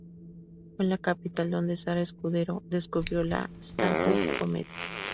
Fue en la capital donde Sara Escudero descubrió la stand-up comedy.